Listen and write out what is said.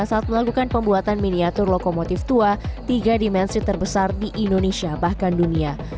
saat melakukan pembuatan miniatur lokomotif tua tiga dimensi terbesar di indonesia bahkan dunia